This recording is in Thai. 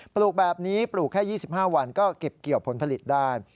ปลูกแบบนี้ปลูกแค่๒๕วันก็เก็บเกี่ยวผลผลิตได้